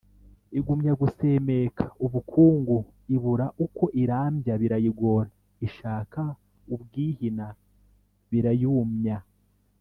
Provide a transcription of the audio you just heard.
Igumya gusemeka ubukungu Ibura ukwo irambya birayigora Ishaka ubwihina birayumya: